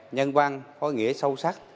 nhân văn có nghĩa sâu sắc